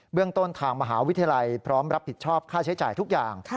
เรื่องต้นทางมหาวิทยาลัยพร้อมรับผิดชอบค่าใช้จ่ายทุกอย่าง